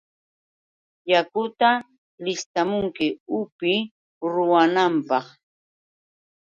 ¡Yakuta listamunki upiy ruwanapaq!